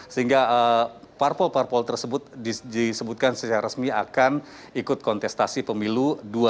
sehingga parpol parpol tersebut disebutkan secara resmi akan ikut kontestasi pemilu dua ribu sembilan belas